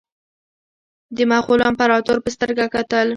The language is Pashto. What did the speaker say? د مغولو امپراطور په سترګه کتل.